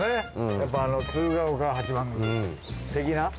やっぱ鶴岡八幡宮的な。